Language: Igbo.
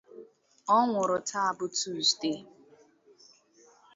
Ọ nwụrụ taa bụ Tuzdee